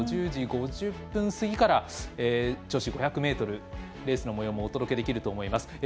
１０時５０分過ぎから女子５００ｍレースのもようもお届けできると思います。